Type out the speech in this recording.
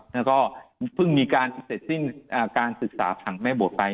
แล้วก็เพิ่งมีการเสร็จสิ้นการศึกษาผังแม่บทไป